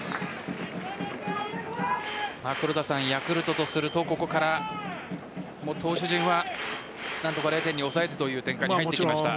ヤクルトとするとここから投手陣は何とか０点に抑えてという展開に入ってきました。